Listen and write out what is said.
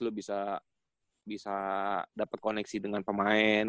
lo bisa dapat koneksi dengan pemain